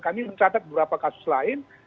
kami mencatat beberapa kasus lain